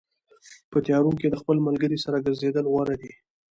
په تیارو کې د خپل ملګري سره ګرځېدل غوره دي.